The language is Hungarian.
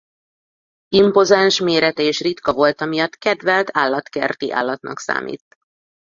Impozáns mérete és ritka volta miatt kedvelt állatkerti állatnak számít.